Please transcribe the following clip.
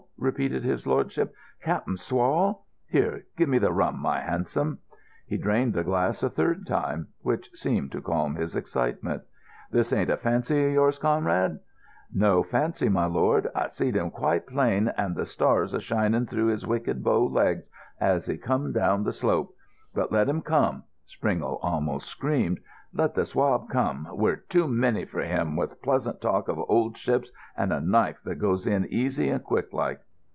repeated his lordship. "Cap'n Swall? Here, give me the rum, my handsome." He drained the glass a third time, which seemed to calm his excitement. "This ain't a fancy of yours, Conrad?" "No fancy, my lord. I seed him quite plain and the stars a shining through his wicked bow legs as he come down the slope. But let him come!" Springle almost screamed. "Let the swab come! We're too many for him, with pleasant talk of old ships and a knife that goes in easy and quick like."